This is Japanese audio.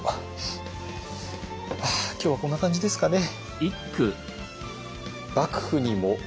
今日はこんな感じですかね。